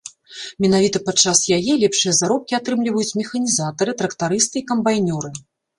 Менавіта падчас яе лепшыя заробкі атрымліваюць механізатары, трактарысты і камбайнёры.